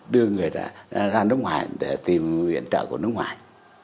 đưa người ra nước ngoài để tìm nguyện trợ của nước ngoài